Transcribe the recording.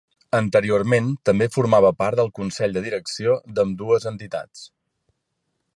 Anteriorment també formava part del Consell de Direcció d'ambdues entitats.